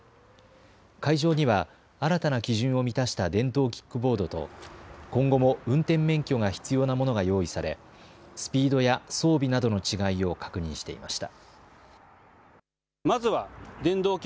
会場には新たな基準を満たした電動キックボードと今後も運転免許が必要なものが用意されスピードや装備などの違いを確認していました。